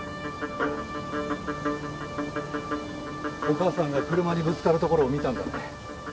お母さんが車にぶつかるところを見たんだね？